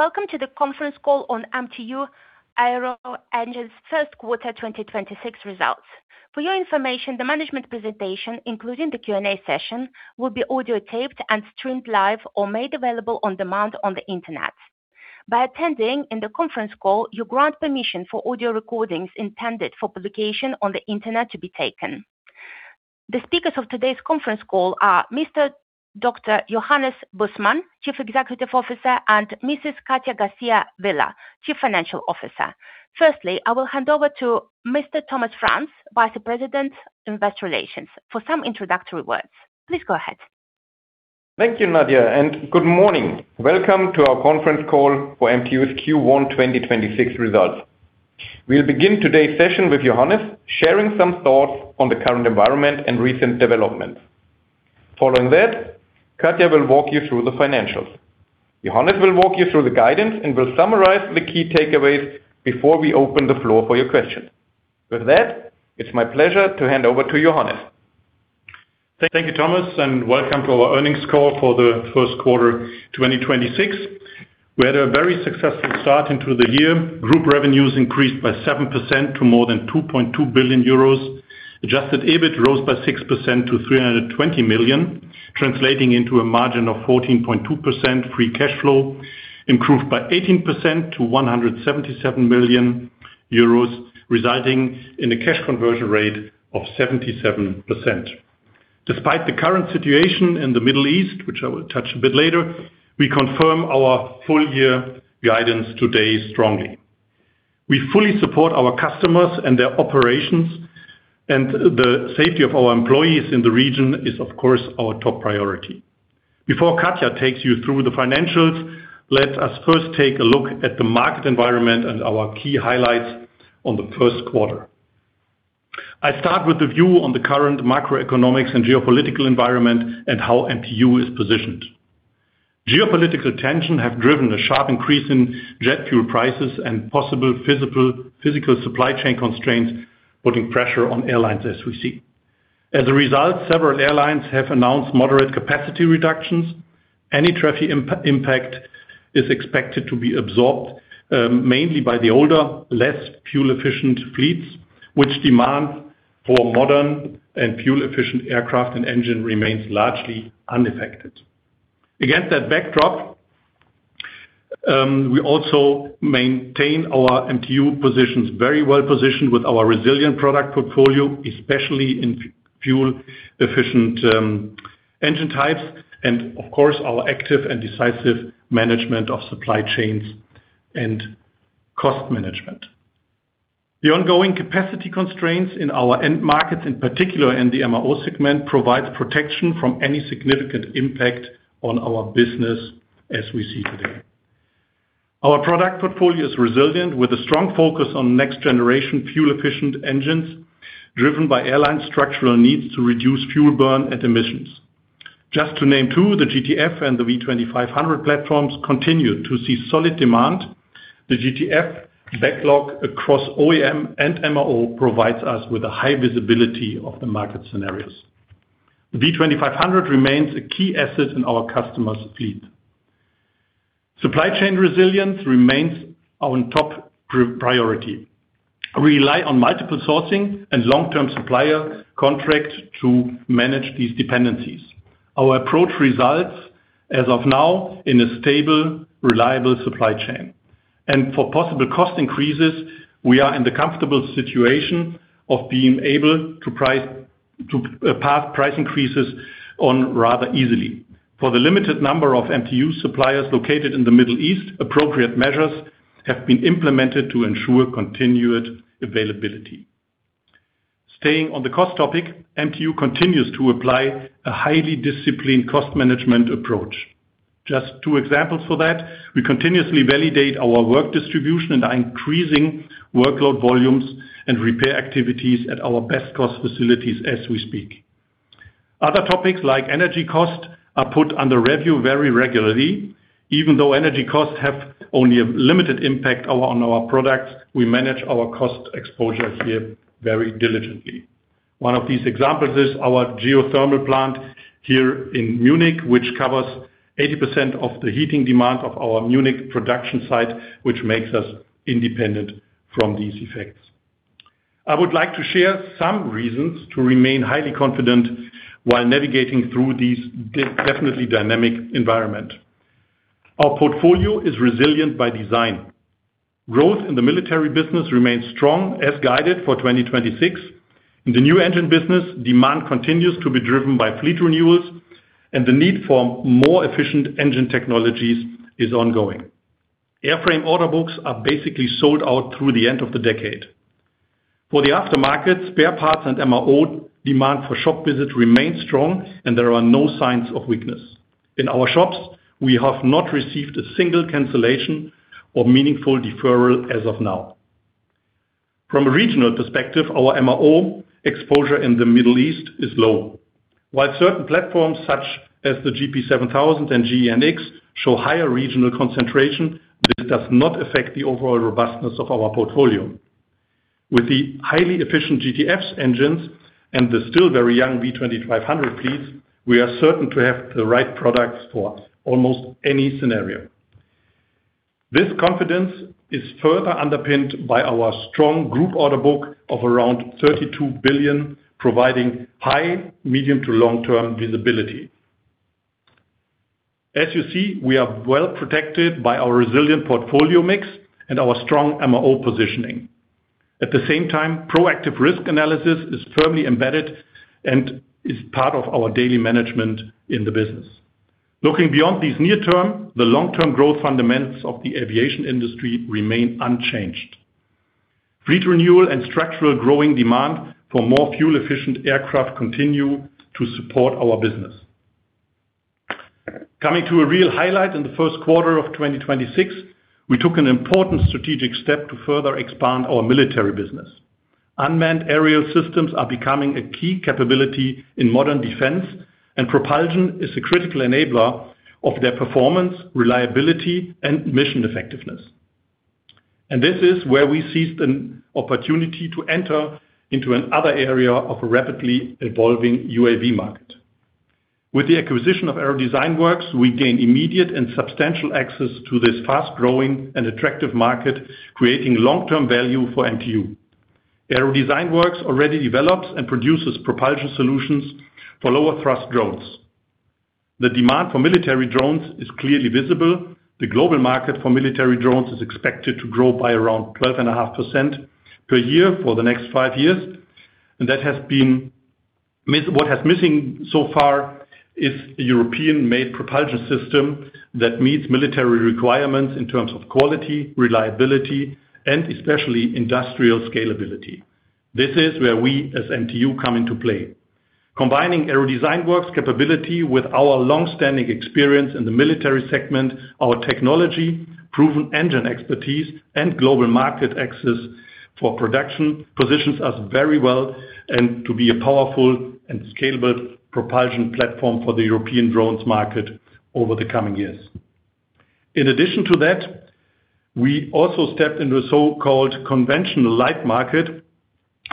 Welcome to the conference call on MTU Aero Engines' first quarter 2026 results. For your information, the management presentation, including the Q&A session, will be audiotaped and streamed live or made available on demand on the internet. By attending in the conference call, you grant permission for audio recordings intended for publication on the internet to be taken. The speakers of today's conference call are Mr. Dr. Johannes Bussmann, Chief Executive Officer, and Mrs. Katja Garcia Vila, Chief Financial Officer. Firstly, I will hand over to Mr. Thomas Franz, Vice President, Investor Relations, for some introductory words. Please go ahead. Thank you, Nadia. Good morning. Welcome to our conference call for MTU's Q1 2026 results. We'll begin today's session with Johannes sharing some thoughts on the current environment and recent developments. Following that, Katja will walk you through the financials. Johannes will walk you through the guidance and will summarize the key takeaways before we open the floor for your questions. With that, it's my pleasure to hand over to Johannes. Thank you, Thomas, welcome to our earnings call for the first quarter 2026. We had a very successful start into the year. Group revenues increased by 7% to more than 2.2 billion euros. Adjusted EBIT rose by 6% to 320 million, translating into a margin of 14.2%. Free cash flow improved by 18% to 177 million euros, resulting in a cash conversion rate of 77%. Despite the current situation in the Middle East, which I will touch a bit later, we confirm our full-year guidance today strongly. We fully support our customers and their operations, and the safety of our employees in the region is of course, our top priority. Before Katja takes you through the financials, let us first take a look at the market environment and our key highlights on the 1st quarter. I start with the view on the current macroeconomics and geopolitical environment and how MTU is positioned. Geopolitical tension have driven a sharp increase in jet fuel prices and possible physical supply chain constraints, putting pressure on airlines as we see. As a result, several airlines have announced moderate capacity reductions. Any traffic impact is expected to be absorbed, mainly by the older, less fuel-efficient fleets, which demand for modern and fuel-efficient aircraft and engine remains largely unaffected. Against that backdrop, we also maintain our MTU positions, very well-positioned with our resilient product portfolio, especially in fuel-efficient engine types and of course, our active and decisive management of supply chains and cost management. The ongoing capacity constraints in our end markets, in particular in the MRO segment, provides protection from any significant impact on our business as we see today. Our product portfolio is resilient with a strong focus on next generation fuel-efficient engines driven by airline structural needs to reduce fuel burn and emissions. Just to name two, the GTF and the V2500 platforms continue to see solid demand. The GTF backlog across OEM and MRO provides us with a high visibility of the market scenarios. V2500 remains a key asset in our customer's fleet. Supply chain resilience remains our top priority. We rely on multiple sourcing and long-term supplier contracts to manage these dependencies. Our approach results, as of now, in a stable, reliable supply chain. For possible cost increases, we are in the comfortable situation of being able to pass price increases on rather easily. For the limited number of MTU suppliers located in the Middle East, appropriate measures have been implemented to ensure continued availability. Staying on the cost topic, MTU continues to apply a highly disciplined cost management approach. Just two examples for that, we continuously validate our work distribution and are increasing workload volumes and repair activities at our best cost facilities as we speak. Other topics like energy cost are put under review very regularly. Even though energy costs have only a limited impact on our products, we manage our cost exposure here very diligently. One of these examples is our geothermal plant here in Munich, which covers 80% of the heating demand of our Munich production site, which makes us independent from these effects. I would like to share some reasons to remain highly confident while navigating through this definitely dynamic environment. Our portfolio is resilient by design. Growth in the military business remains strong as guided for 2026. In the new engine business, demand continues to be driven by fleet renewals, and the need for more efficient engine technologies is ongoing. Airframe order books are basically sold out through the end of the decade. For the aftermarket, spare parts and MRO demand for shop visits remains strong, and there are no signs of weakness. In our shops, we have not received a single cancellation or meaningful deferral as of now. From a regional perspective, our MRO exposure in the Middle East is low. While certain platforms such as the GP7000 and GEnx show higher regional concentration, this does not affect the overall robustness of our portfolio. With the highly efficient GTF engines and the still very young V2500 fleets, we are certain to have the right products for almost any scenario. This confidence is further underpinned by our strong group order book of around 32 billion, providing high medium to long-term visibility. As you see, we are well-protected by our resilient portfolio mix and our strong MRO positioning. At the same time, proactive risk analysis is firmly embedded and is part of our daily management in the business. Looking beyond these near term, the long-term growth fundamentals of the aviation industry remain unchanged. Fleet renewal and structural growing demand for more fuel-efficient aircraft continue to support our business. Coming to a real highlight in the first quarter of 2026, we took an important strategic step to further expand our military business. Unmanned aerial systems are becoming a key capability in modern defense, propulsion is a critical enabler of their performance, reliability, and mission effectiveness. This is where we seized an opportunity to enter into another area of a rapidly evolving UAV market. With the acquisition of AeroDesignWorks, we gain immediate and substantial access to this fast-growing and attractive market, creating long-term value for MTU. AeroDesignWorks already develops and produces propulsion solutions for lower thrust drones. The demand for military drones is clearly visible. The global market for military drones is expected to grow by around 12.5% per year for the next five years. What has missing so far is a European-made propulsion system that meets military requirements in terms of quality, reliability, and especially industrial scalability. This is where we, as MTU, come into play. Combining AeroDesignWorks capability with our long-standing experience in the military segment, our technology, proven engine expertise, and global market access for production positions us very well and to be a powerful and scalable propulsion platform for the European drones market over the coming years. In addition to that, we also stepped into a so-called conventional light market.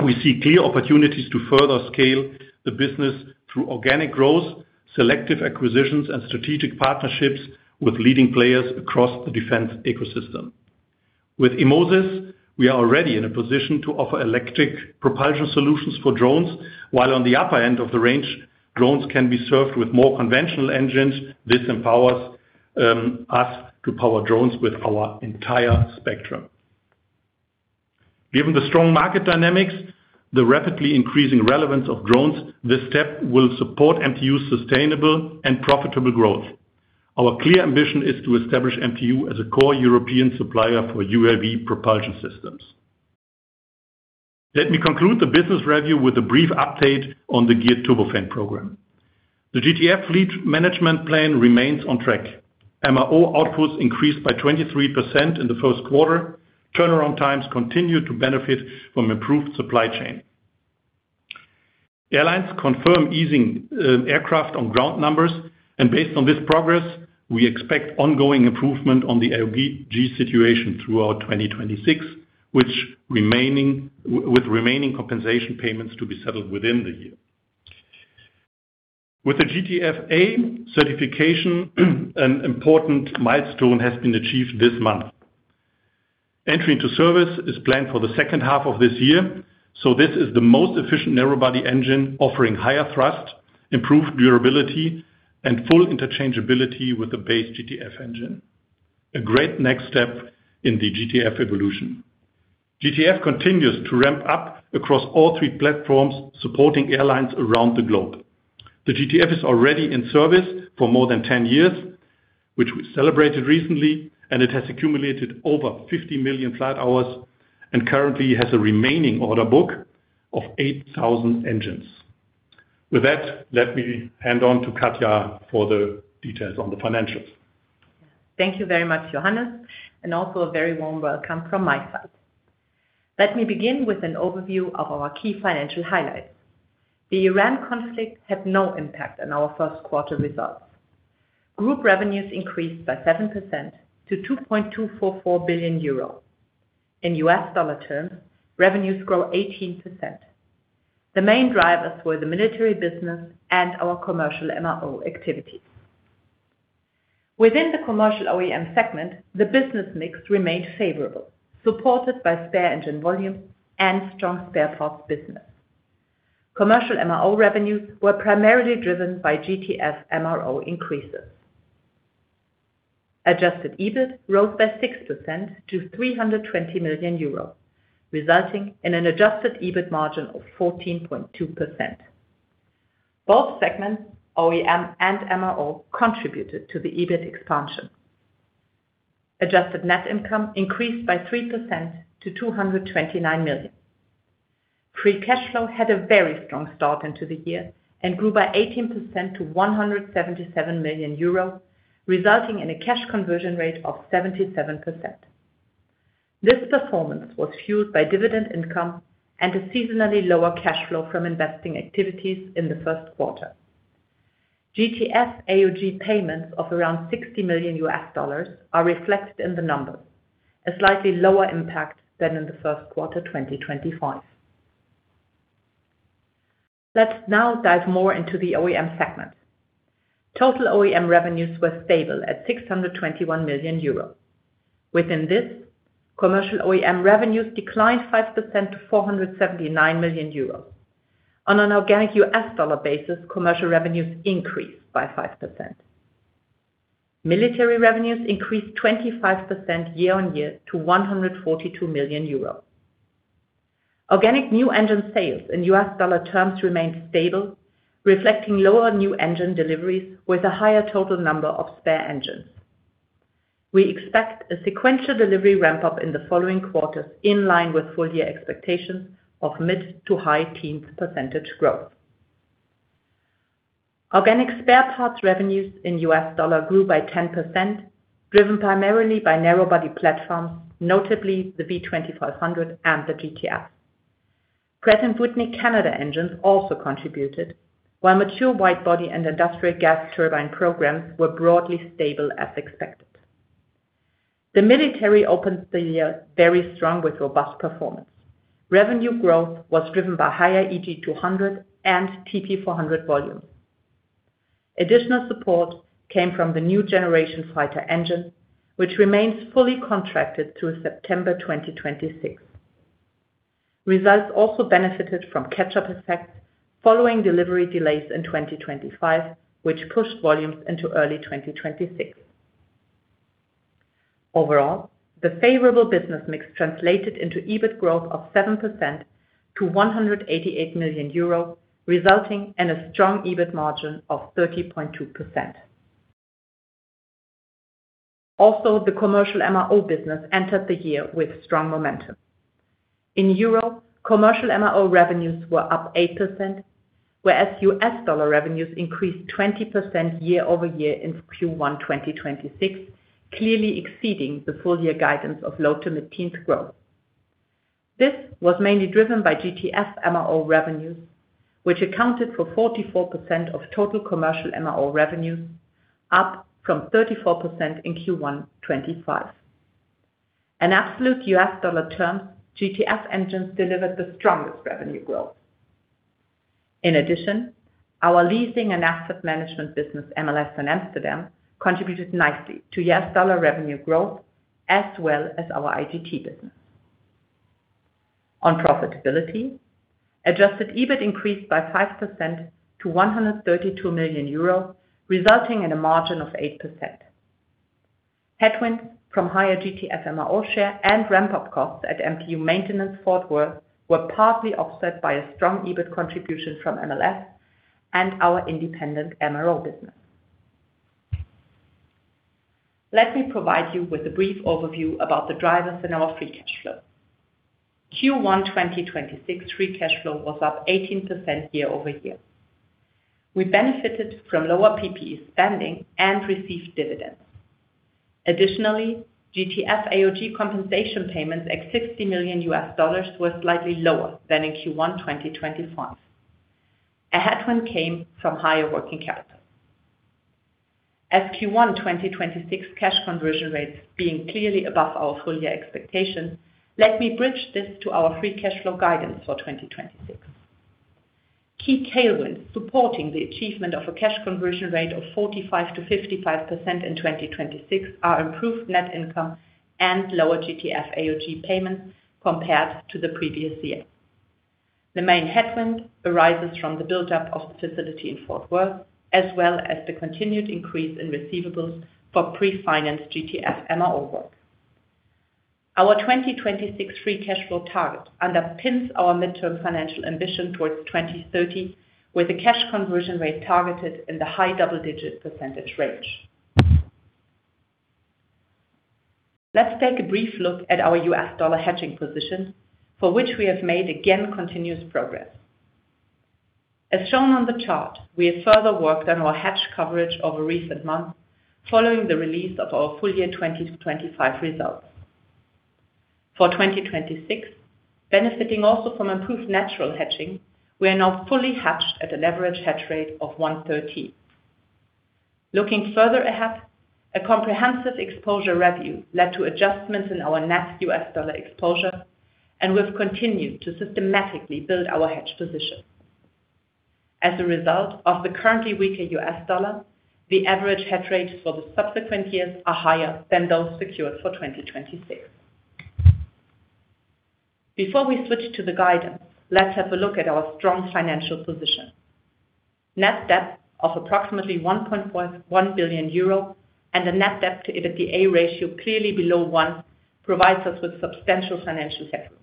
We see clear opportunities to further scale the business through organic growth, selective acquisitions, and strategic partnerships with leading players across the defense ecosystem. With eMoSys, we are already in a position to offer electric propulsion solutions for drones, while on the upper end of the range, drones can be served with more conventional engines. This empowers us to power drones with our entire spectrum. Given the strong market dynamics, the rapidly increasing relevance of drones, this step will support MTU's sustainable and profitable growth. Our clear ambition is to establish MTU as a core European supplier for UAV propulsion systems. Let me conclude the business review with a brief update on the Geared Turbofan program. The GTF fleet management plan remains on track. MRO outputs increased by 23% in the first quarter. Turnaround times continue to benefit from improved supply chain. Airlines confirm easing Aircraft on Ground numbers. Based on this progress, we expect ongoing improvement on the AOG situation throughout 2026, with remaining compensation payments to be settled within the year. With the GTFA certification, an important milestone has been achieved this month. Entry into service is planned for the second half of this year. This is the most efficient narrow-body engine offering higher thrust, improved durability, and full interchangeability with the base GTF engine. A great next step in the GTF evolution. GTF continues to ramp-up across all three platforms supporting airlines around the globe. The GTF is already in service for more than 10 years, which we celebrated recently. It has accumulated over 50 million flight hours and currently has a remaining order book of 8,000 engines. With that, let me hand on to Katja for the details on the financials. Thank you very much, Johannes, and also a very warm welcome from my side. Let me begin with an overview of our key financial highlights. The Iran conflict had no impact on our first quarter results. Group revenues increased by 7% to 2.244 billion euro. In U.S. dollar terms, revenues grow 18%. The main drivers were the military business and our commercial MRO activities. Within the commercial OEM segment, the business mix remained favorable, supported by spare engine volume and strong spare parts business. Commercial MRO revenues were primarily driven by GTF MRO increases. Adjusted EBIT rose by 6% to 320 million euros, resulting in an adjusted EBIT margin of 14.2%. Both segments, OEM and MRO, contributed to the EBIT expansion. Adjusted net income increased by 3% to 229 million. Free cash flow had a very strong start into the year and grew by 18% to 177 million euros, resulting in a cash conversion rate of 77%. This performance was fueled by dividend income and a seasonally lower cash flow from investing activities in the first quarter. GTF AOG payments of around $60 million are reflected in the numbers, a slightly lower impact than in the first quarter 2025. Let's now dive more into the OEM segment. Total OEM revenues were stable at 621 million euros. Within this, commercial OEM revenues declined 5% to 479 million euros. On an organic U.S. dollar basis, commercial revenues increased by 5%. Military revenues increased 25% year-on-year to 142 million euros. Organic new engine sales in U.S. dollar terms remained stable, reflecting lower new engine deliveries with a higher total number of spare engines. We expect a sequential delivery ramp-up in the following quarters, in line with full-year expectations of mid to high teens percentage growth. Organic spare parts revenues in U.S. dollars grew by 10%, driven primarily by narrow body platforms, notably the V2500 and the GTF. Pratt & Whitney Canada engines also contributed, while mature wide body and industrial gas turbine programs were broadly stable as expected. The military opened the year very strong with robust performance. Revenue growth was driven by higher EJ200 and TP400 volumes. Additional support came from the New Generation Fighter Engine, which remains fully contracted through September 2026. Results also benefited from catch-up effects following delivery delays in 2025, which pushed volumes into early 2026. Overall, the favorable business mix translated into EBIT growth of 7% to 188 million euro, resulting in a strong EBIT margin of 30.2%. The commercial MRO business entered the year with strong momentum. In euro, commercial MRO revenues were up 8%, whereas U.S. dollar revenues increased 20% year-over-year in Q1 2026, clearly exceeding the full-year guidance of low to mid-teens growth. This was mainly driven by GTF MRO revenues, which accounted for 44% of total commercial MRO revenues, up from 34% in Q1 2025. In absolute U.S. dollar terms, GTF engines delivered the strongest revenue growth. In addition, our leasing and asset management business, MLS in Amsterdam, contributed nicely to U.S. dollar revenue growth as well as our IGT business. On profitability, adjusted EBIT increased by 5% to 132 million euro, resulting in a margin of 8%. Headwind from higher GTF MRO share and ramp-up costs at MTU Maintenance Fort Worth were partly offset by a strong EBIT contribution from MLS and our independent MRO business. Let me provide you with a brief overview about the drivers in our free cash flow. Q1 2026 free cash flow was up 18% year-over-year. We benefited from lower PPE spending and received dividends. Additionally, GTF AOG compensation payments at $60 million were slightly lower than in Q1 2025. A headwind came from higher working capital. As Q1 2026 cash conversion rates being clearly above our full-year expectations, let me bridge this to our free cash flow guidance for 2026. Key tailwinds supporting the achievement of a cash conversion rate of 45%-55% in 2026 are improved net income and lower GTF AOG payments compared to the previous year. The main headwind arises from the buildup of the facility in Fort Worth, as well as the continued increase in receivables for pre-financed GTF MRO work. Our 2026 free cash flow target underpins our midterm financial ambition towards 2030, with a cash conversion rate targeted in the high double-digit percentage range. Let's take a brief look at our U.S. dollar hedging position, for which we have made again continuous progress. As shown on the chart, we have further worked on our hedge coverage over recent months following the release of our full-year 2025 results. For 2026, benefiting also from improved natural hedging, we are now fully hedged at a leverage hedge rate of 1.30. Looking further ahead, a comprehensive exposure review led to adjustments in our net U.S. dollar exposure and we've continued to systematically build our hedge position. As a result of the currently weaker U.S. dollar, the average hedge rates for the subsequent years are higher than those secured for 2026. Before we switch to the guidance, let's have a look at our strong financial position. Net debt of approximately 1.1 billion euro and a net debt to EBITDA ratio clearly below one provides us with substantial financial headroom.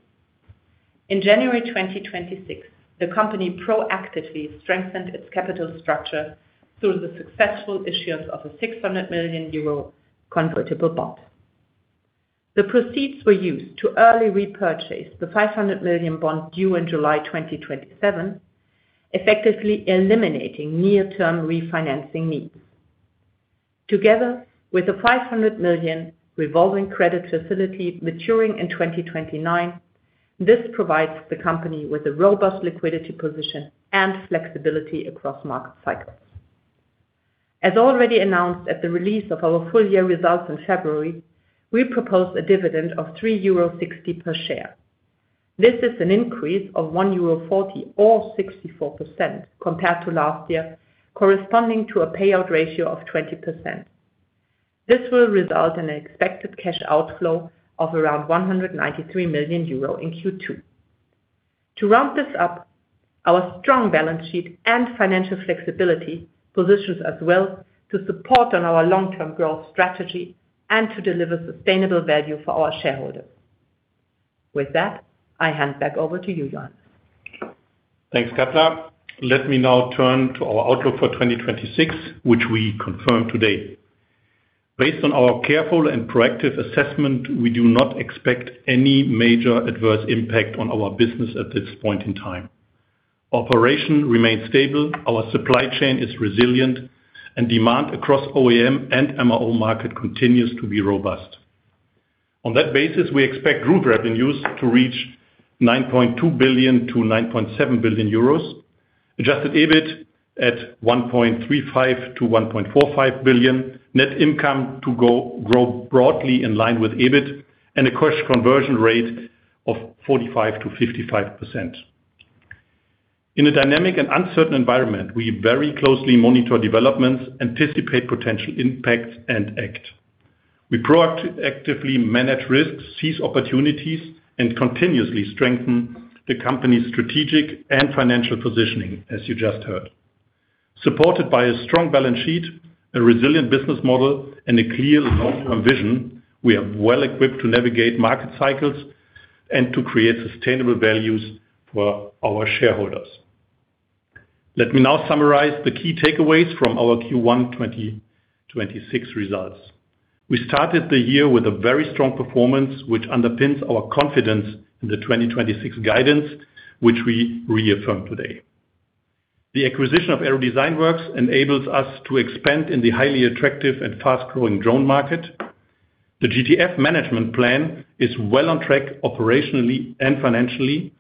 In January 2026, the company proactively strengthened its capital structure through the successful issuance of a 600 million euro convertible bond. The proceeds were used to early repurchase the 500 million bond due in July 2027, effectively eliminating near-term refinancing needs. Together with the 500 million revolving credit facility maturing in 2029, this provides the company with a robust liquidity position and flexibility across market cycles. As already announced at the release of our full-year results in February, we propose a dividend of 3.60 euro per share. This is an increase of 1.40 euro or 64% compared to last year, corresponding to a payout ratio of 20%. This will result in an expected cash outflow of around 193 million euro in Q2. To round this up, our strong balance sheet and financial flexibility positions us well to support on our long-term growth strategy and to deliver sustainable value for our shareholders. With that, I hand back over to you, Johannes. Thanks, Katja. Let me now turn to our outlook for 2026, which we confirm today. Based on our careful and proactive assessment, we do not expect any major adverse impact on our business at this point in time. Operation remains stable, our supply chain is resilient, and demand across OEM and MRO market continues to be robust. On that basis, we expect group revenues to reach 9.2 billion-9.7 billion euros, adjusted EBIT at 1.35 billion-1.45 billion, net income to grow broadly in line with EBIT, and a cash conversion rate of 45%-55%. In a dynamic and uncertain environment, we very closely monitor developments, anticipate potential impacts, and act. We proactively manage risks, seize opportunities, and continuously strengthen the company's strategic and financial positioning, as you just heard. Supported by a strong balance sheet, a resilient business model, and a clear long-term vision, we are well equipped to navigate market cycles and to create sustainable values for our shareholders. Let me now summarize the key takeaways from our Q1 2026 results. We started the year with a very strong performance, which underpins our confidence in the 2026 guidance, which we reaffirm today. The acquisition of AeroDesignWorks enables us to expand in the highly attractive and fast-growing drone market. The GTF management plan is well on track operationally and financially,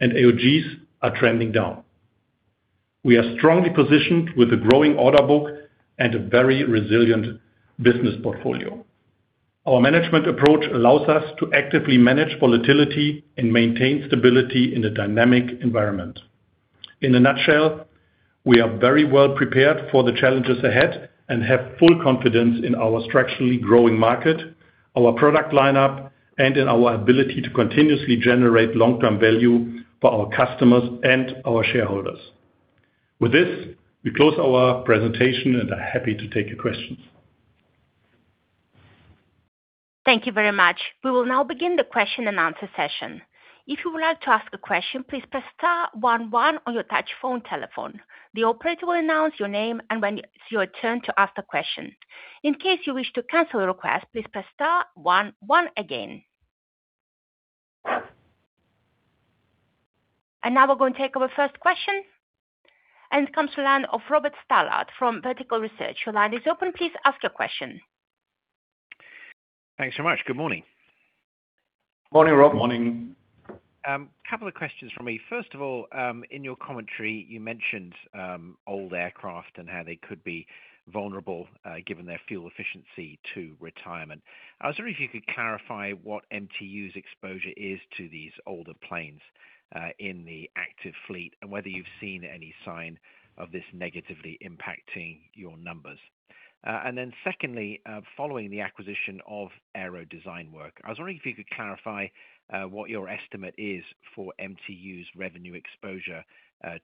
and AOGs are trending down. We are strongly positioned with a growing order book and a very resilient business portfolio. Our management approach allows us to actively manage volatility and maintain stability in a dynamic environment. In a nutshell, we are very well prepared for the challenges ahead and have full confidence in our structurally growing market, our product lineup, and in our ability to continuously generate long-term value for our customers and our shareholders. With this, we close our presentation and are happy to take your questions. Thank you very much. We will now begin the question-and-answer session. If you would like to ask a question, please press star one one on your touch-tone telephone. The operator will announce your name and when it's your turn to ask a question. In case you wish to cancel a request, please press star one one again. Now we're going to take our first question, and it comes to the line of Robert Stallard from Vertical Research. Your line is open. Please ask your question. Thanks so much. Good morning. Morning, Rob. Morning. Couple of questions from me. First of all, in your commentary, you mentioned old aircraft and how they could be vulnerable given their fuel efficiency to retirement. I was wondering if you could clarify what MTU's exposure is to these older planes in the active fleet and whether you've seen any sign of this negatively impacting your numbers. Secondly, following the acquisition of AeroDesignWorks, I was wondering if you could clarify what your estimate is for MTU's revenue exposure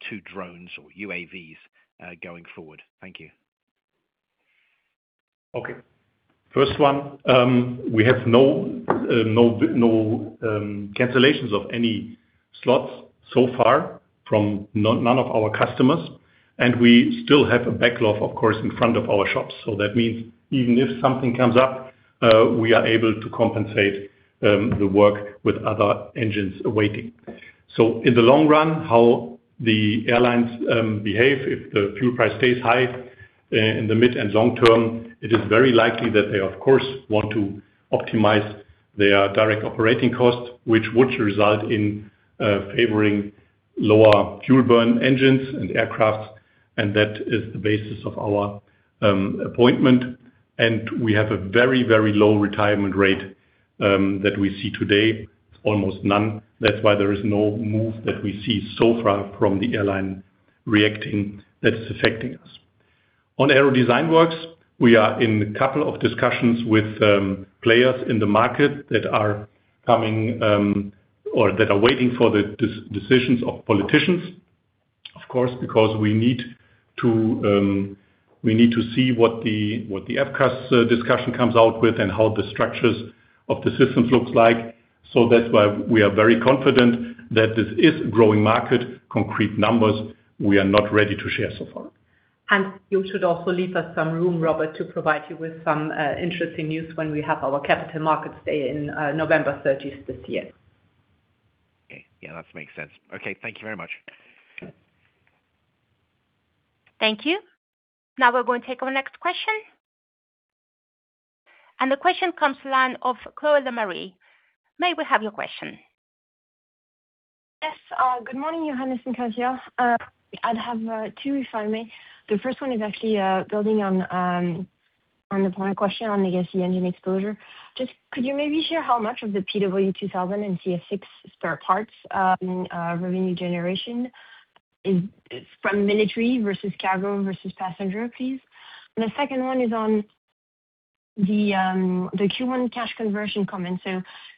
to drones or UAVs going forward. Thank you. Okay. First one, we have no, no cancellations of any slots so far from none of our customers, and we still have a backlog, of course, in front of our shops. That means even if something comes up, we are able to compensate the work with other engines waiting. In the long run, how the airlines behave if the fuel price stays high, in the mid- and long-term, it is very likely that they of course, want to optimize their direct operating costs, which would result in favoring lower fuel burn engines and aircraft, and that is the basis of our appointment. We have a very, very low retirement rate that we see today, almost none. That's why there is no move that we see so far from the airline reacting that is affecting us. On AeroDesignWorks, we are in a couple of discussions with players in the market that are coming or that are waiting for the decisions of politicians, of course, because we need to see what the FCAS discussion comes out with and how the structures of the systems looks like. That's why we are very confident that this is a growing market. Concrete numbers we are not ready to share so far. You should also leave us some room, Robert, to provide you with some interesting news when we have our capital markets day in November 30th this year. Yeah, that makes sense. Okay. Thank you very much. Thank you. Now we're going to take our next question. The question comes line of Chloe Lemarie. May we have your question? Good morning, Johannes and Katja. I'd have two if I may. The first one is actually building on the point question on legacy engine exposure. Just could you maybe share how much of the PW2000 and CF6 spare parts revenue generation is from military versus cargo versus passenger, please? The second one is on the Q1 cash conversion comment.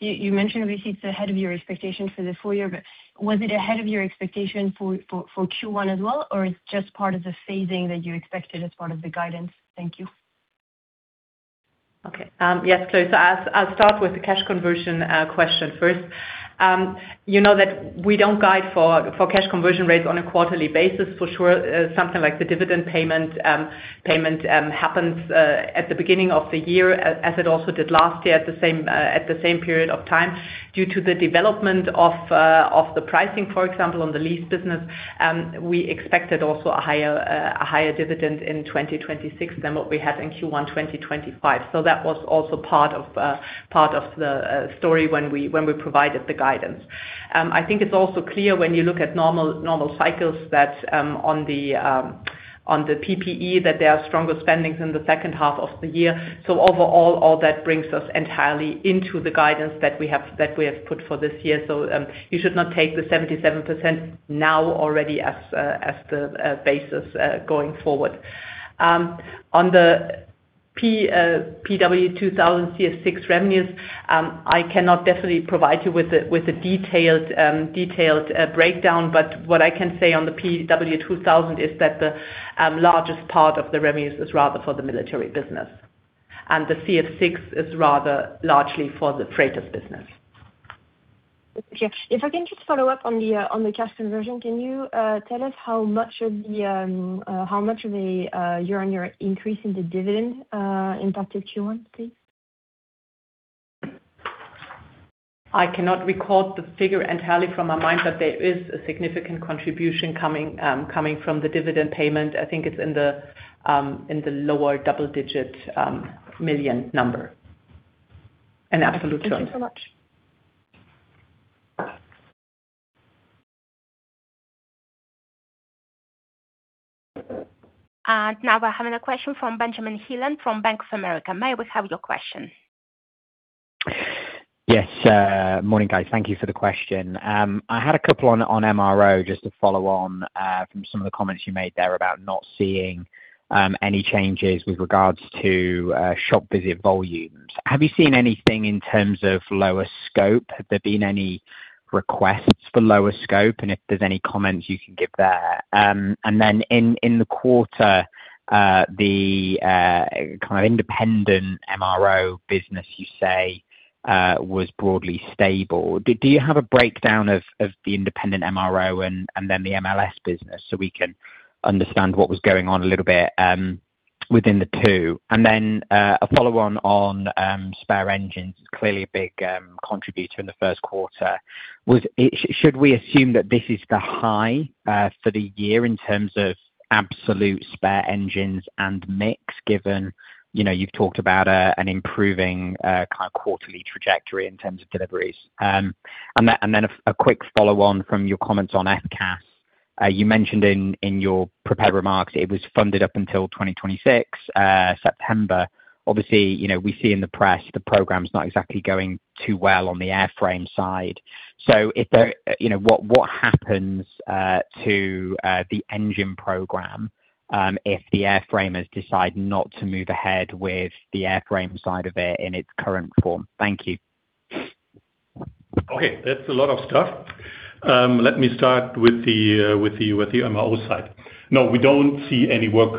You mentioned obviously it's ahead of your expectation for the full-year, but was it ahead of your expectation for Q1 as well, or it's just part of the phasing that you expected as part of the guidance? Thank you. Okay. Yes, Chloe. I'll start with the cash conversion question first. You know that we don't guide for cash conversion rates on a quarterly basis for sure. Something like the dividend payment happens at the beginning of the year as it also did last year at the same period of time. Due to the development of the pricing, for example, on the lease business, we expected also a higher dividend in 2026 than what we had in Q1 2025. That was also part of the story when we provided the guidance. I think it's also clear when you look at normal cycles that on the PPE that there are stronger spendings in the second half of the year. Overall, all that brings us entirely into the guidance that we have put for this year. You should not take the 77% now already as the basis going forward. On the PW2000 CF6 revenues, I cannot definitely provide you with the detailed breakdown. What I can say on the PW2000 is that the largest part of the revenues is rather for the military business. The CF6 is rather largely for the freighters business. If I can just follow up on the cash conversion. Can you tell us how much of a year-on-year increase in the dividend impacted Q1, please? I cannot recall the figure entirely from my mind, but there is a significant contribution coming from the dividend payment. I think it's in the lower double-digit million number. An absolute tone. Thank you so much. Now we're having a question from Benjamin Heelan from Bank of America. May we have your question? Yes. Morning, guys. Thank you for the question. I had a couple on MRO just to follow on from some of the comments you made there about not seeing any changes with regards to shop visit volumes. Have you seen anything in terms of lower scope? Have there been any requests for lower scope? If there's any comments you can give there. Then in the quarter, the kind of independent MRO business, you say, was broadly stable. Do you have a breakdown of the independent MRO and then the MLS business so we can understand what was going on a little bit within the two? Then a follow on on spare engines. Clearly a big contributor in the first quarter. Should we assume that this is the high for the year in terms of absolute spare engines and mix, given, you know, you've talked about an improving kind of quarterly trajectory in terms of deliveries? A quick follow on from your comments on FCAS. You mentioned in your prepared remarks it was funded up until 2026 September. Obviously, you know, we see in the press the program's not exactly going too well on the airframe side. If there, you know, what happens to the engine program if the airframers decide not to move ahead with the airframe side of it in its current form? Thank you. Okay. That's a lot of stuff. Let me start with the MRO side. No, we don't see any work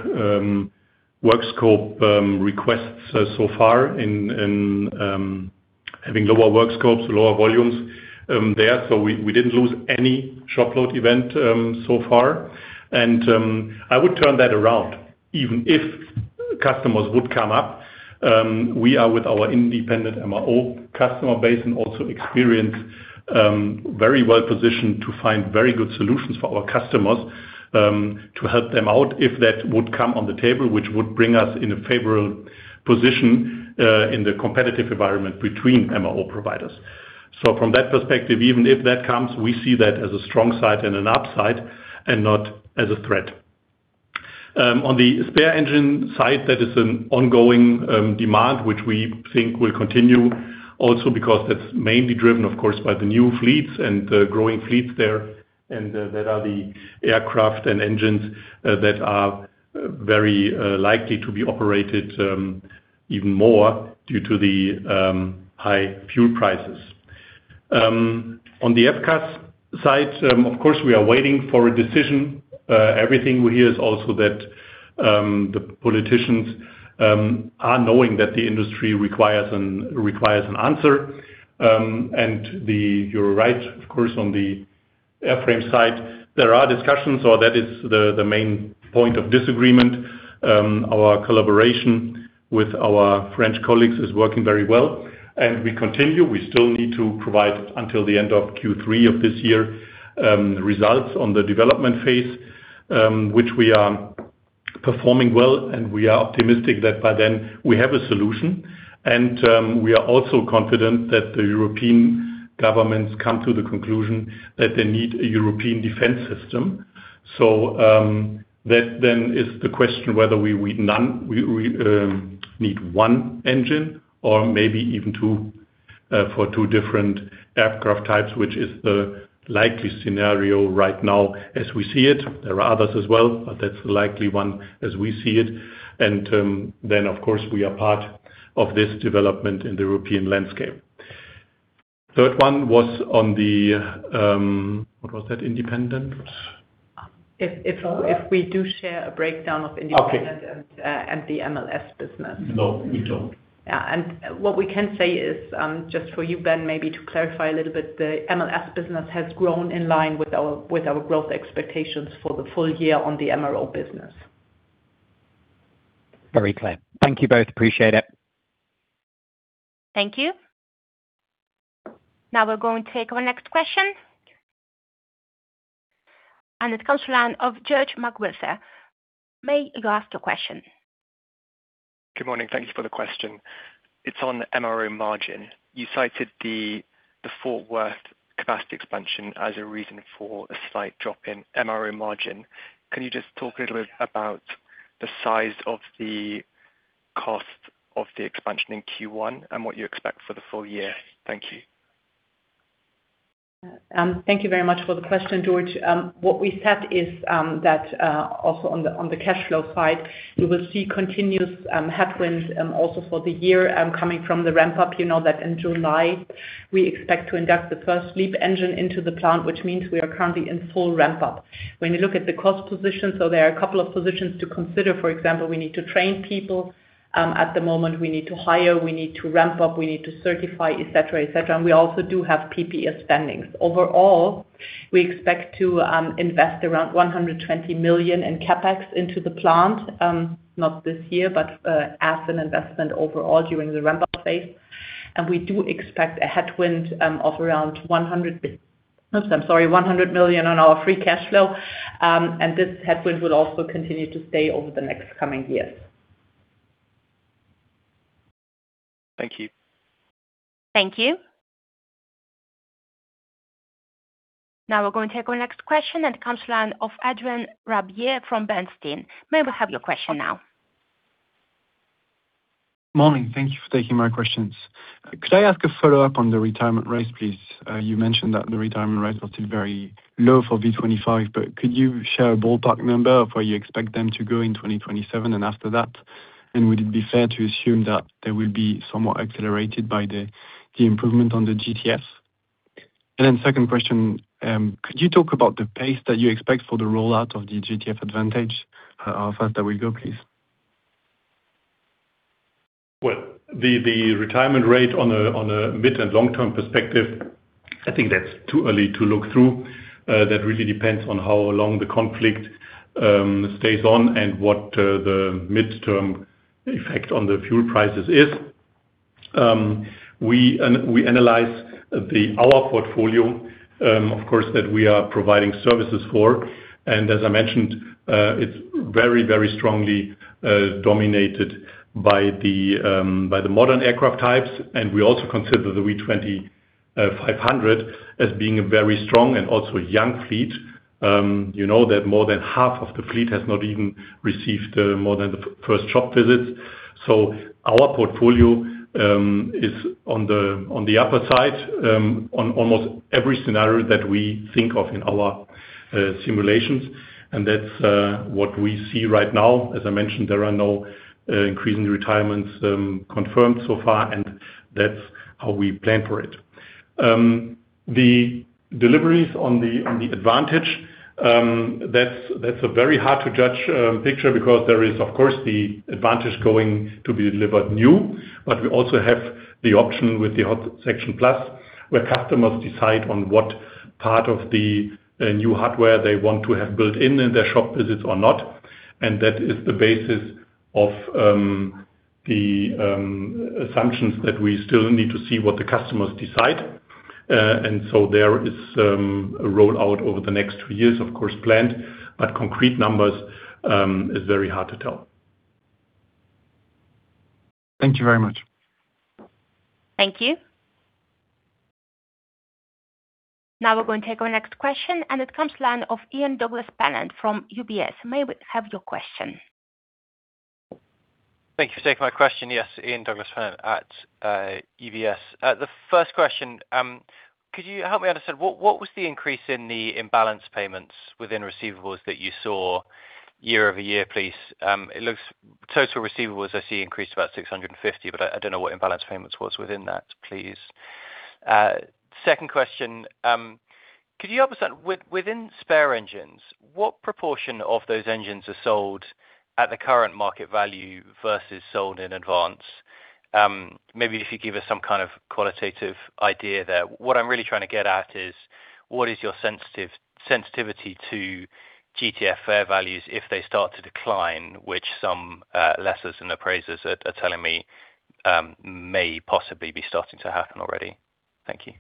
scope, requests so far in having lower work scopes, lower volumes there. We didn't lose any shop load event so far. I would turn that around. Even if customers would come up, we are with our independent MRO customer base and also experience, very well positioned to find very good solutions for our customers to help them out if that would come on the table, which would bring us in a favorable position in the competitive environment between MRO providers. From that perspective, even if that comes, we see that as a strong side and an upside and not as a threat. On the spare engine side, that is an ongoing demand which we think will continue also because that's mainly driven of course by the new fleets and the growing fleets there. That are the aircraft and engines that are very likely to be operated even more due to the high fuel prices. On the FCAS side, of course, we are waiting for a decision. Everything we hear is also that the politicians are knowing that the industry requires an answer. You're right, of course, on the Airframe side, there are discussions, so that is the main point of disagreement. Our collaboration with our French colleagues is working very well and we continue. We still need to provide until the end of Q3 of this year, results on the development phase, which we are performing well, and we are optimistic that by then we have a solution. We are also confident that the European governments come to the conclusion that they need a European defense system. That then is the question whether we need one engine or maybe even two for two different aircraft types, which is the likely scenario right now as we see it. There are others as well, but that's the likely one as we see it. Of course, we are part of this development in the European landscape. Third one was on the. What was that? Independent? If we do share a breakdown of independent. Okay. And the MLS business. No, we don't. Yeah. What we can say is, just for you, Benjamin, maybe to clarify a little bit, the MLS business has grown in line with our, with our growth expectations for the full-year on the MRO business. Very clear. Thank you both. Appreciate it. Thank you. Now we're going to take our next question. It comes to line of George McWhirter. May you go ask your question? Good morning. Thank you for the question. It is on MRO margin. You cited the Fort Worth capacity expansion as a reason for a slight drop in MRO margin. Can you just talk a little bit about the size of the cost of the expansion in Q1 and what you expect for the full-year? Thank you. Thank you very much for the question, George. What we said is that also on the cash flow side, you will see continuous headwinds also for the year coming from the ramp-up. You know that in July we expect to induct the first LEAP engine into the plant, which means we are currently in full ramp-up. When you look at the cost position, there are a couple of positions to consider. For example, we need to train people at the moment. We need to hire, we need to ramp-up, we need to certify, et cetera, et cetera. We also do have PPE spendings. Overall, we expect to invest around 120 million in CapEx into the plant, not this year, but as an investment overall during the ramp-up phase. We do expect a headwind of around 100 million on our free cash flow. This headwind will also continue to stay over the next coming years. Thank you. Thank you. We're going to take our next question, and it comes to the line of Adrien Rabier from Bernstein. May we have your question now? Morning. Thank you for taking my questions. Could I ask a follow-up on the retirement rates, please? You mentioned that the retirement rates are still very low for V2500, but could you share a ballpark number of where you expect them to go in 2027 and after that? Would it be fair to assume that they will be somewhat accelerated by the improvement on the GTF? Second question, could you talk about the pace that you expect for the rollout of the GTF Advantage? How fast that will go, please? The retirement rate on a mid and long-term perspective, I think that's too early to look through. That really depends on how long the conflict stays on and what the midterm effect on the fuel prices is. We analyze our portfolio, of course, that we are providing services for, as I mentioned, it's very, very strongly dominated by the modern aircraft types. We also consider the V2500 as being a very strong and also young fleet. You know that more than half of the fleet has not even received more than the first shop visit. Our portfolio is on the upper side on almost every scenario that we think of in our simulations. That's what we see right now. As I mentioned, there are no increasing retirements confirmed so far, and that's how we plan for it. The deliveries on the, on the Advantage, that's a very hard to judge picture because there is of course the Advantage going to be delivered new, but we also have the option with the Hot Section Plus, where customers decide on what part of the new hardware they want to have built in in their shop visits or not. That is the basis of the assumptions that we still need to see what the customers decide. There is a rollout over the next three years, of course planned, but concrete numbers is very hard to tell. Thank you very much. Thank you. Now we're going to take our next question, and it comes to line of Ian Douglas-Pennant from UBS. May we have your question? Thank you for taking my question. Yes, Ian Douglas-Pennant at UBS. The first question, could you help me understand what was the increase in the imbalance payments within receivables that you saw year-over-year, please? It looks total receivables I see increased about 650, but I don't know what imbalance payments was within that, please. Second question. Within spare engines, what proportion of those engines are sold at the current market value versus sold in advance? Maybe if you give us some kind of qualitative idea there. What I'm really trying to get at is what is your sensitivity to GTF fair values if they start to decline, which some lessors and appraisers are telling me may possibly be starting to happen already? Thank you.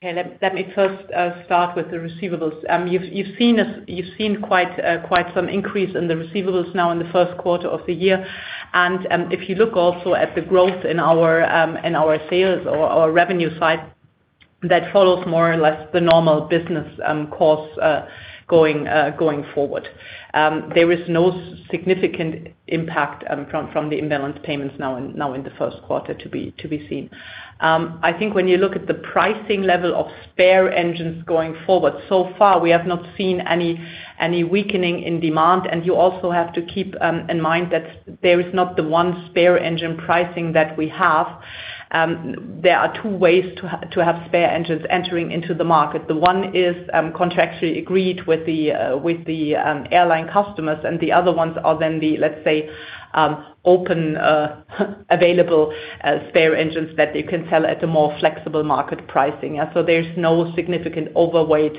Okay. Let me first start with the receivables. You've seen quite some increase in the receivables now in the first quarter of the year. If you look also at the growth in our sales or our revenue side, that follows more or less the normal business course going forward. There is no significant impact from the imbalance payments now in the first quarter to be seen. I think when you look at the pricing level of spare engines going forward, so far, we have not seen any weakening in demand. You also have to keep in mind that there is not the one spare engine pricing that we have. There are two ways to have spare engines entering into the market. One is contractually agreed with the airline customers, and the other ones are then the, let's say, open, available, spare engines that you can sell at a more flexible market pricing. Yeah, there's no significant overweight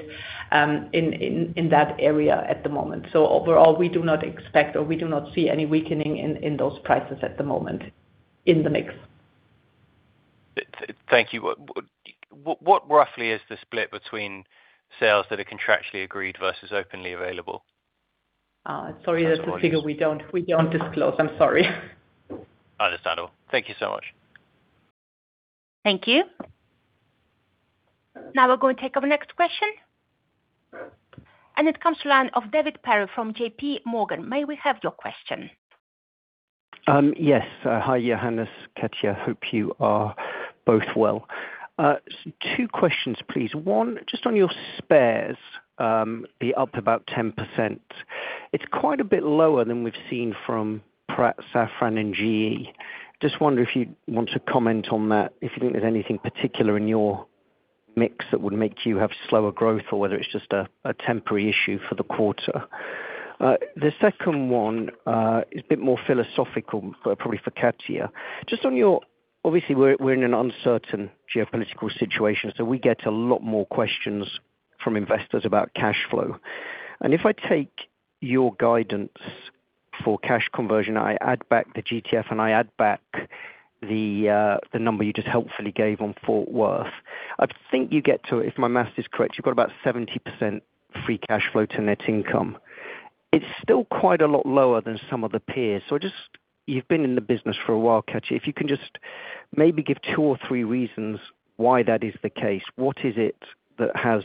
in that area at the moment. Overall, we do not expect or we do not see any weakening in those prices at the moment in the mix. Thank you. What roughly is the split between sales that are contractually agreed versus openly available? Sorry. That's a figure we don't disclose. I'm sorry. Understandable. Thank you so much. Thank you. We're going to take our next question, and it comes to the line of David Perry from JPMorgan. May we have your question? Yes. Hi, Johannes, Katja. Hope you are both well. Two questions, please. One, just on your spares, the up about 10%. It's quite a bit lower than we've seen from Pratt, Safran, and GE. Just wonder if you'd want to comment on that, if you think there's anything particular in your mix that would make you have slower growth or whether it's just a temporary issue for the quarter. The second one is a bit more philosophical, probably for Katja. Obviously, we're in an uncertain geopolitical situation, so we get a lot more questions from investors about cash flow. If I take your guidance for cash conversion, I add back the GTF and I add back the number you just helpfully gave on Fort Worth, I think you get to, if my math is correct, you've got about 70% free cash flow to net income. It's still quite a lot lower than some of the peers. Just, you've been in the business for a while, Katja, if you can just maybe give two or three reasons why that is the case. What is it that has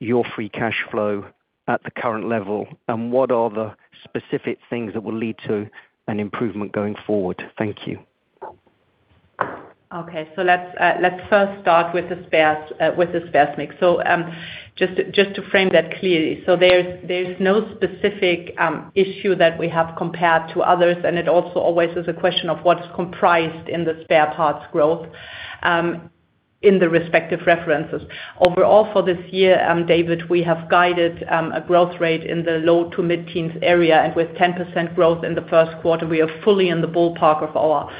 your free cash flow at the current level, and what are the specific things that will lead to an improvement going forward? Thank you. Let's first start with the spares mix. Just to frame that clearly. There's no specific issue that we have compared to others, and it also always is a question of what is comprised in the spare parts growth in the respective references. Overall, for this year, David, we have guided a growth rate in the low to mid-teens area. With 10% growth in the first quarter, we are fully in the ballpark of our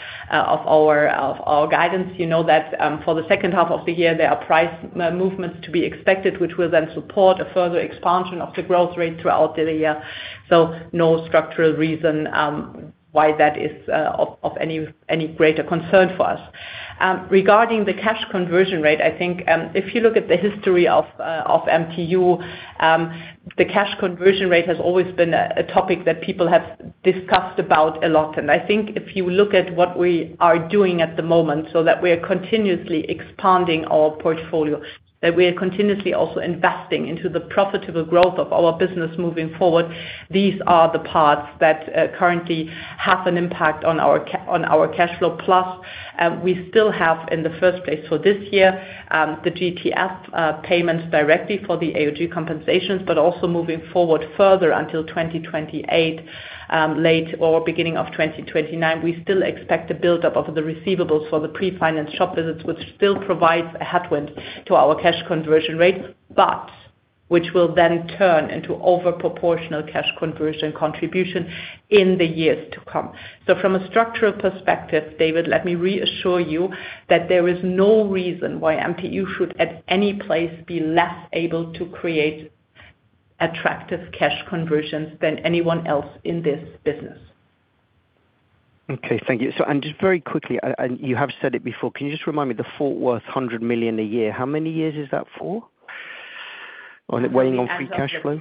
guidance. You know that, for the second half of the year, there are price movements to be expected, which will then support a further expansion of the growth rate throughout the year. No structural reason why that is of any greater concern for us. Regarding the cash conversion rate, I think, if you look at the history of MTU, the cash conversion rate has always been a topic that people have discussed about a lot. I think if you look at what we are doing at the moment, so that we are continuously expanding our portfolio, that we are continuously also investing into the profitable growth of our business moving forward. These are the parts that currently have an impact on our cash flow. We still have, in the first place for this year, the GTF payments directly for the AOG compensations, but also moving forward further until 2028, late or beginning of 2029, we still expect a buildup of the receivables for the pre-financed shop visits, which still provides a headwind to our cash conversion rate, but which will then turn into over-proportional cash conversion contribution in the years to come. From a structural perspective, David, let me reassure you that there is no reason why MTU should at any place be less able to create attractive cash conversions than anyone else in this business. Okay. Thank you. Just very quickly, you have said it before, can you just remind me the Fort Worth 100 million a year, how many years is that for? Weighing on free cash flow?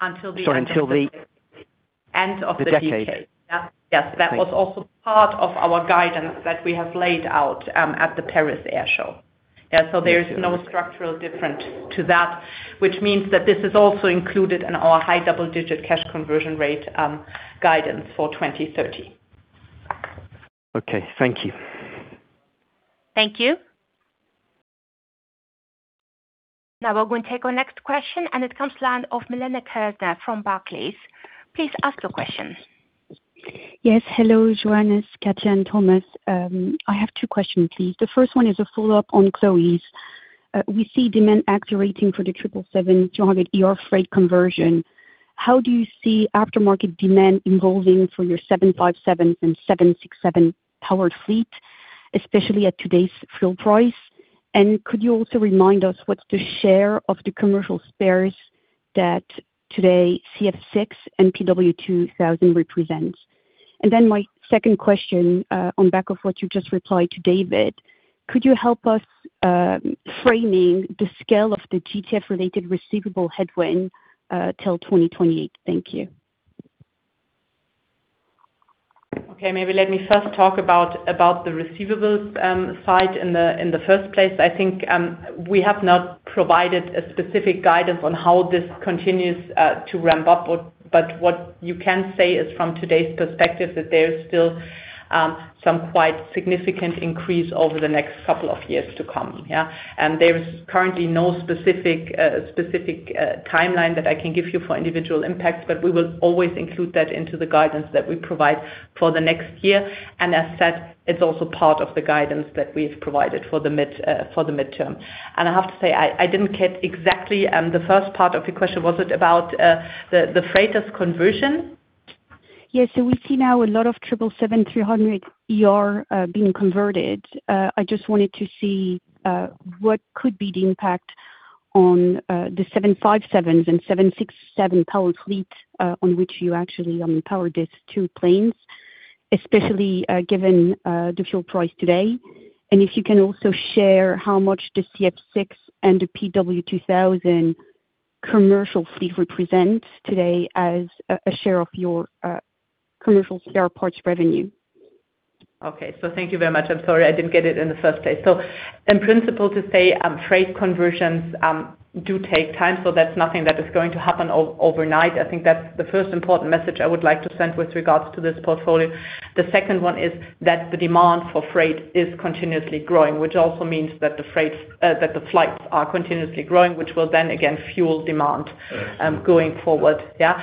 Until the end of the, Sorry. End of the decade. The decade. Yeah. Yes. Thank you. That was also part of our guidance that we have laid out, at the Paris Air Show. There's no structural difference to that, which means that this is also included in our high double-digit cash conversion rate, guidance for 2030. Okay. Thank you. Thank you. Now we're going to take our next question, and it comes line of Milene Kerner from Barclays. Please ask your question. Yes. Hello, Johannes, Katja and Thomas. I have two questions, please. The first one is a follow-up on Chloe's. We see demand accelerating for the 777-300ER freight conversion. How do you see aftermarket demand evolving for your 757 and 767 powered fleet, especially at today's fuel price? Could you also remind us what's the share of the commercial spares that today CF6 and PW2000 represents? Then my second question, on back of what you just replied to David, could you help us framing the scale of the GTF-related receivable headwind till 2028? Thank you. Okay, maybe let me first talk about the receivables side in the first place. I think, we have not provided a specific guidance on how this continues to ramp-up, but what you can say is from today's perspective, that there is still some quite significant increase over the next couple of years to come. Yeah. There is currently no specific timeline that I can give you for individual impacts, but we will always include that into the guidance that we provide for the next year. As said, it's also part of the guidance that we've provided for the midterm. I have to say, I didn't get exactly the first part of your question. Was it about the freighters conversion? Yes. We see now a lot of 777-300ER being converted. I just wanted to see what could be the impact on the 757 and 767 powered fleet on which you actually power these two planes, especially given the fuel price today. If you can also share how much the CF6 and the PW2000 commercial fleet represents today as a share of your commercial spare parts revenue. Okay. Thank you very much. I'm sorry, I didn't get it in the first place. In principle to say, freight conversions do take time, so that's nothing that is going to happen overnight. I think that's the first important message I would like to send with regards to this portfolio. The second one is that the demand for freight is continuously growing, which also means that the freights, that the flights are continuously growing, which will then again fuel demand going forward. Yeah.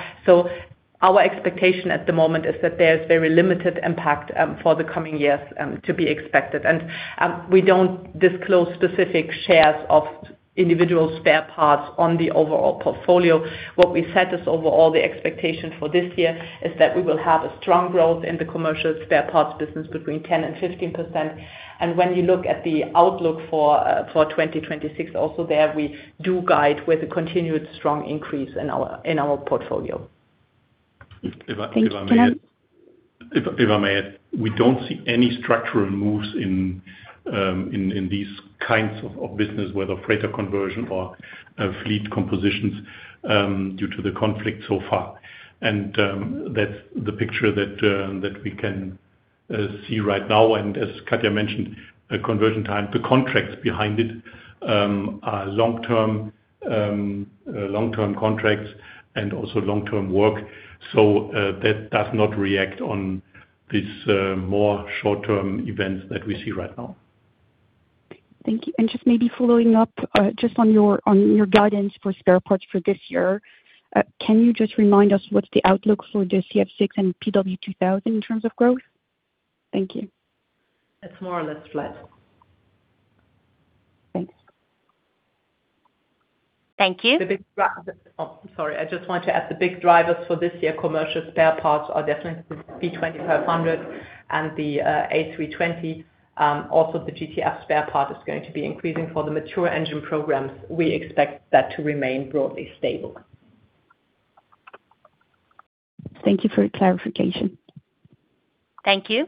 Our expectation at the moment is that there's very limited impact for the coming years to be expected. We don't disclose specific shares of individual spare parts on the overall portfolio. What we said is overall the expectation for this year is that we will have a strong growth in the commercial spare parts business between 10% and 15%. When you look at the outlook for 2026, also there we do guide with a continued strong increase in our portfolio. Thank you. If I may add, we don't see any structural moves in these kinds of business, whether freighter conversion or fleet compositions, due to the conflict so far. That's the picture that we can see right now. As Katja mentioned, the conversion time, the contracts behind it, are long-term contracts and also long-term work. That does not react on these more short-term events that we see right now. Thank you. Just maybe following up, just on your, on your guidance for spare parts for this year, can you just remind us what's the outlook for the CF6 and PW2000 in terms of growth? Thank you. It's more or less flat. Thanks. Thank you. Sorry, I just wanted to add the big drivers for this year commercial spare parts are definitely the V2500 and the A320. Also the GTF spare part is going to be increasing. For the mature engine programs, we expect that to remain broadly stable. Thank you for your clarification. Thank you.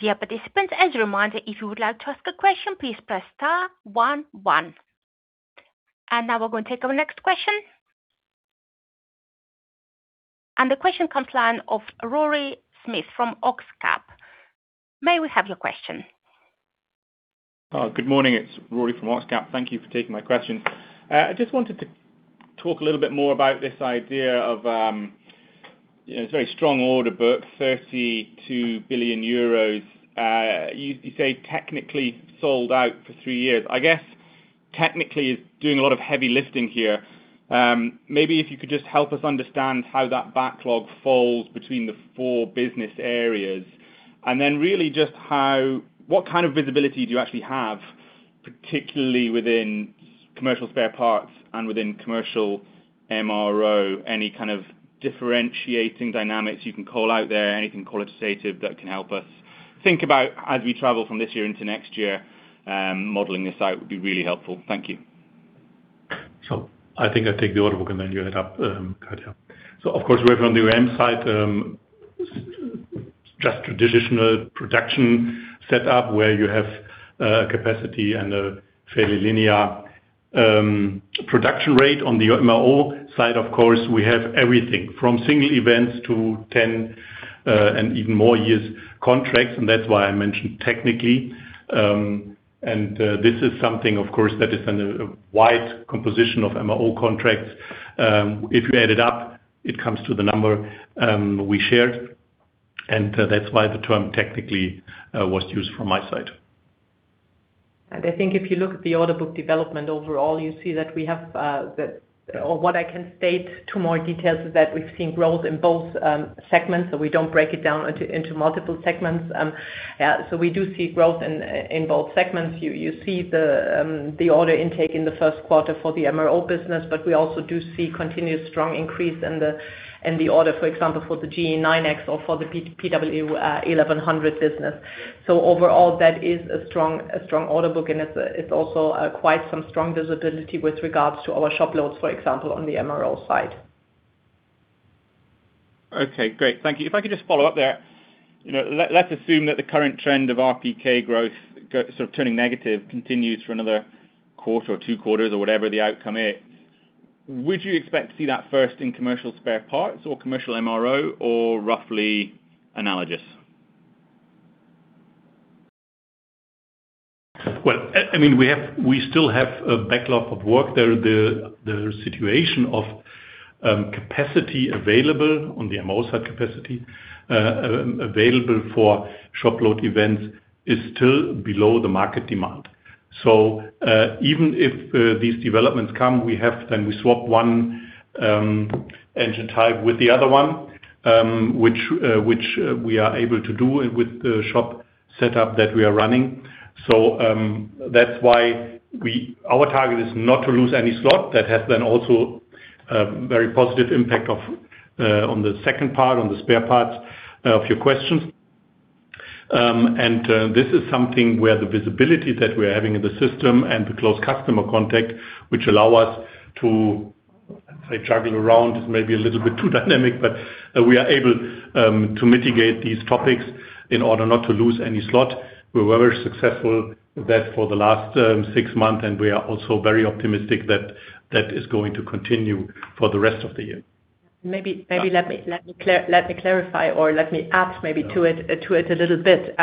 Dear participants, as a reminder, if you would like to ask a question, please press star one one. Now we're going to take our next question. The question comes line of Rory Smith from Oxcap. May we have your question? Good morning. It's Rory from Oxcap. Thank you for taking my question. I just wanted to talk a little bit more about this idea of, you know, its very strong order book, 32 billion euros. You say technically sold out for three years. I guess technically is doing a lot of heavy lifting here. Maybe if you could just help us understand how that backlog falls between the four business areas. Really just what kind of visibility do you actually have, particularly within commercial spare parts and within commercial MRO? Any kind of differentiating dynamics you can call out there? Anything qualitative that can help us think about as we travel from this year into next year, modeling this out would be really helpful. Thank you. I think I take the order book and then you add up, Katja. Of course, working on the M side, just traditional production set up where you have capacity and a fairly linear production rate. On the MRO side, of course, we have everything from single events to 10 and even more years contracts, and that's why I mentioned technically. This is something of course, that is in a wide composition of MRO contracts. If you add it up, it comes to the number we shared. That's why the term technically was used from my side. I think if you look at the order book development overall, you see that we have, or what I can state to more details is that we've seen growth in both segments, so we don't break it down into multiple segments. Yeah, we do see growth in both segments. You see the order intake in the first quarter for the MRO business, but we also do see continuous strong increase in the order, for example, for the GE9X or for the PW 1100 business. Overall, that is a strong order book, and it's also quite some strong visibility with regards to our shop loads, for example, on the MRO side. Okay, great. Thank you. If I could just follow-up there. You know, let's assume that the current trend of RPK growth sort of turning negative continues for another quarter or two quarters or whatever the outcome is. Would you expect to see that first in commercial spare parts or commercial MRO or roughly analogous? Well, I mean, we still have a backlog of work there. The situation of capacity available on the MRO side capacity available for shop load events is still below the market demand. Even if these developments come, we have then we swap one engine type with the other one, which we are able to do with the shop setup that we are running. That's why our target is not to lose any slot. That has been also a very positive impact of on the second part, on the spare parts, of your questions. This is something where the visibility that we're having in the system and the close customer contact, which allow us to, say, juggle around, is maybe a little bit too dynamic, but we are able to mitigate these topics in order not to lose any slot. We were very successful with that for the last six months, and we are also very optimistic that that is going to continue for the rest of the year. Maybe let me clarify or let me add maybe to it a little bit.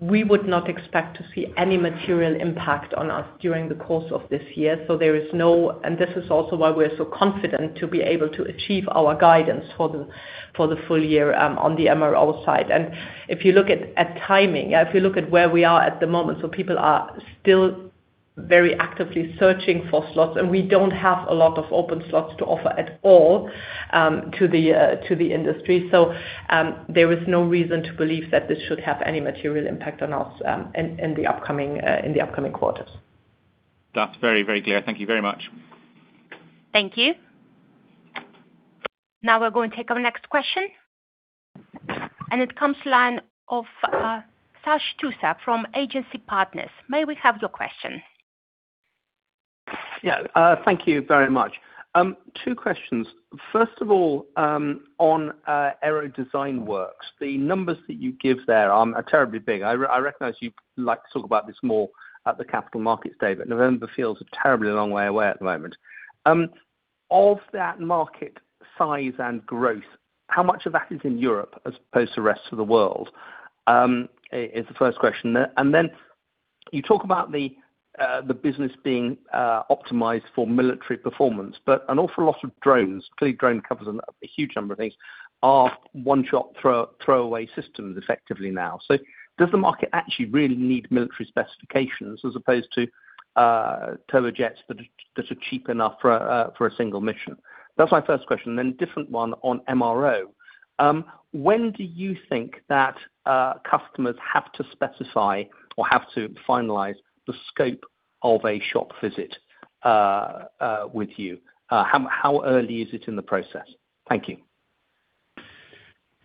We would not expect to see any material impact on us during the course of this year. There is no, and this is also why we're so confident to be able to achieve our guidance for the full-year on the MRO side. If you look at timing, if you look at where we are at the moment, people are still very actively searching for slots, we don't have a lot of open slots to offer at all to the industry. There is no reason to believe that this should have any material impact on us in the upcoming quarters. That's very, very clear. Thank you very much. Thank you. Now we're going to take our next question. It comes line of, Sash Tusa from Agency Partners. May we have your question? Yeah. Thank you very much. Two questions. First of all, on AeroDesignWorks, the numbers that you give there are terribly big. I recognize you like to talk about this more at the Capital Markets Day, but November feels a terribly long way away at the moment. Of that market size and growth, how much of that is in Europe as opposed to the rest of the world? Is the first question. Then you talk about the business being optimized for military performance, but an awful lot of drones, clearly drone covers a huge number of things, are one-shot, throwaway systems effectively now. Does the market actually really need military specifications as opposed to turbojets that are cheap enough for a single mission? That's my first question. A different one on MRO. When do you think that customers have to specify or have to finalize the scope of a shop visit with you? How early is it in the process? Thank you.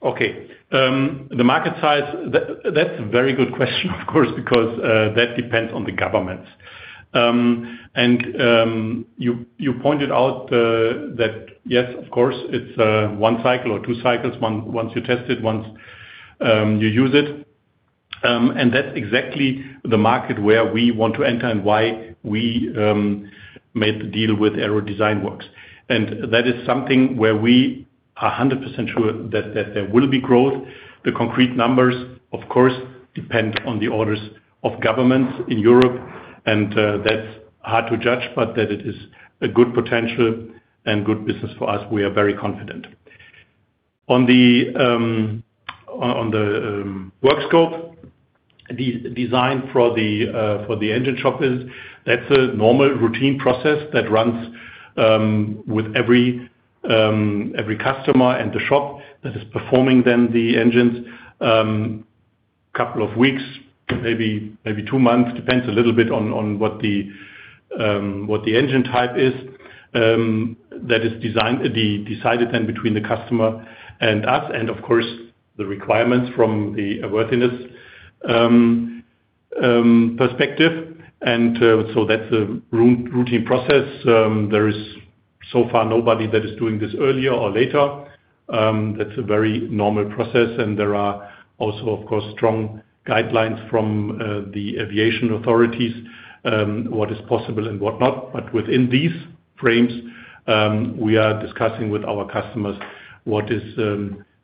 Okay. The market size, that's a very good question, of course, because that depends on the government. And you pointed out that yes, of course, it's one cycle or two cycles. Once you test it, once you use it. And that's exactly the market where we want to enter and why we made the deal with AeroDesignWorks. And that is something where we are 100% sure that there will be growth. The concrete numbers, of course, depend on the orders of governments in Europe, and that's hard to judge, but that it is a good potential and good business for us, we are very confident. On the, on the work scope designed for the for the engine shop is, that's a normal routine process that runs with every every customer and the shop that is performing then the engines. Couple of weeks, maybe two months, depends a little bit on what the what the engine type is, that is designed, decided then between the customer and us, and of course, the requirements from the worthiness perspective. That's a routine process. There is so far nobody that is doing this earlier or later. That's a very normal process. There are also, of course, strong guidelines from the aviation authorities what is possible and what not. Within these frames, we are discussing with our customers what is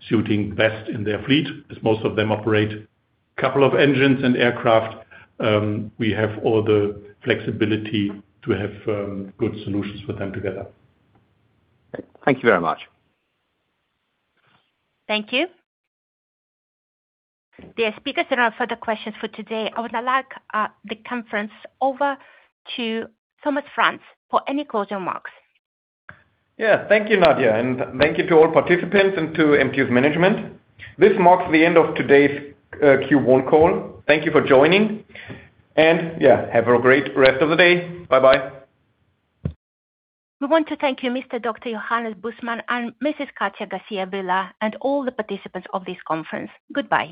suiting best in their fleet, as most of them operate couple of engines and aircraft. We have all the flexibility to have good solutions for them together. Thank you very much. Thank you. Dear speakers, there are no further questions for today. I would now like the conference over to Thomas Franz for any closing remarks. Yeah. Thank you, Nadia, and thank you to all participants and to MTU's management. This marks the end of today's Q1 call. Thank you for joining. Yeah, have a great rest of the day. Bye-bye. We want to thank you, Mr. Dr. Johannes Bussmann and Mrs. Katja Garcia Vila, and all the participants of this conference. Goodbye.